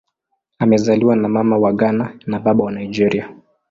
Amezaliwa na Mama wa Ghana na Baba wa Nigeria.